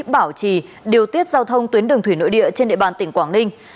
bảo trì điều tiết giao thông tuyến đường thủy nội địa trên địa bàn tỉnh quảng ninh